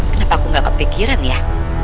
kenapa aku nggak kepikiran ya